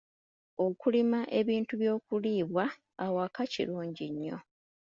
Okulima ebintu by'okuliibwa ewaka kirungi nnyo.